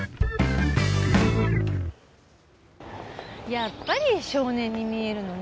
やっぱり少年に見えるのね。